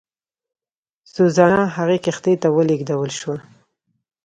سوزانا هغې کښتۍ ته ولېږدول شوه.